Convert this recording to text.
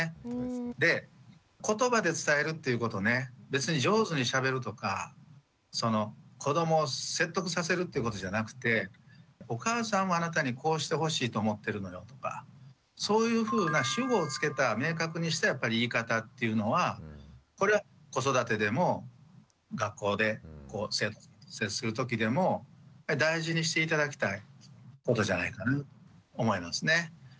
別に上手にしゃべるとか子どもを説得させるっていうことじゃなくてお母さんはあなたにこうしてほしいと思ってるのよとかそういうふうな主語をつけた明確にした言い方っていうのはこれは子育てでも学校で生徒さんと接するときでも大事にして頂きたいことじゃないかなと思いますね。